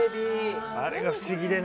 あれが不思議でね。